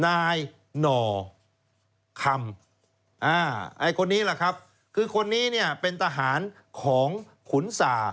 นายหน่อคำไอ้คนนี้แหละครับคือคนนี้เนี่ยเป็นทหารของขุนสา